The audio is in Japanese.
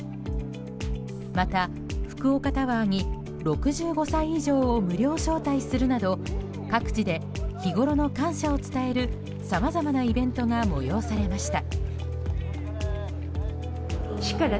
また、福岡タワーに６５歳以上を無料招待するなど各地で日ごろの感謝を伝えるさまざまなイベントが催されました。